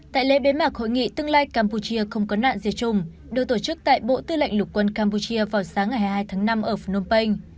tại lễ bế mạc hội nghị tương lai campuchia không có nạn diệt chủng được tổ chức tại bộ tư lệnh lục quân campuchia vào sáng ngày hai mươi hai tháng năm ở phnom penh